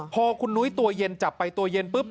พอคุณนุ้ยตัวเย็นจับไปตัวเย็นปุ๊บ